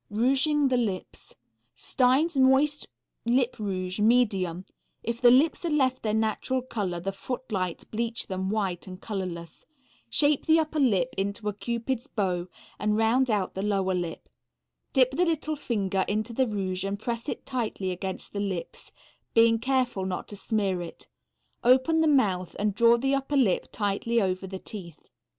_ Rouging the lips. Stein's moist lip rouge, medium. If the lips are left their natural color the footlights bleach them white and colorless. Shape the upper lip into a cupid's bow and round out the lower lip. Dip the little finger into the rouge and press it tightly against the lips, being careful not to smear it; open the mouth and draw the upper lip tight over the teeth.